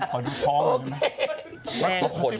ขอดูท้องหนูนะ